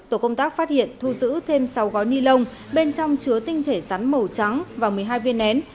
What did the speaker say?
tổ công tác phát hiện thu giữ thêm sáu gói ni lông bên trong chứa tinh thể rắn màu trắng và một mươi hai viên nén